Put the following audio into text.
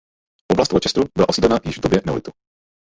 Oblast Worcesteru byla osídlena již v době neolitu.